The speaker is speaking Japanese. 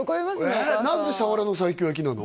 お母さん何でさわらの西京焼きなの？